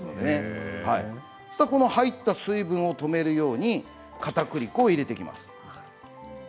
そうしたら入った水分を止めるようにかたくり粉を入れていきます。